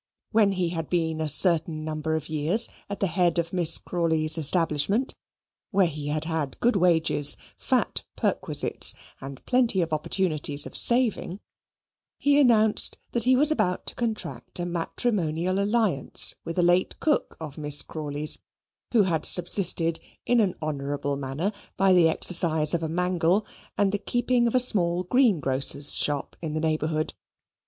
When he had been a certain number of years at the head of Miss Crawley's establishment, where he had had good wages, fat perquisites, and plenty of opportunities of saving, he announced that he was about to contract a matrimonial alliance with a late cook of Miss Crawley's, who had subsisted in an honourable manner by the exercise of a mangle, and the keeping of a small greengrocer's shop in the neighbourhood.